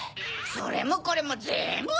それもこれもぜんぶ